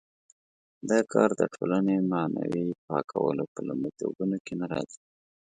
دا کار د ټولنې معنوي پاکولو په لومړیتوبونو کې نه راځي.